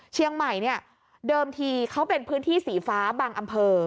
เชียงใหม่เนี่ยเดิมทีเขาเป็นพื้นที่สีฟ้าบางอำเภอ